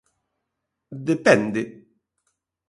Depende.